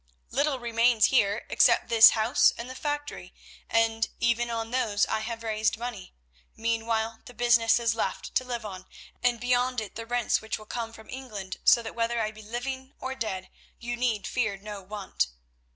Little remains here except this house and the factory, and even on those I have raised money. Meanwhile the business is left to live on, and beyond it the rents which will come from England, so that whether I be living or dead you need fear no want.